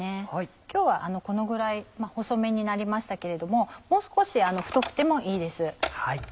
今日はこのぐらい細めになりましたけれどももう少し太くてもいいです。